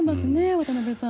渡辺さん。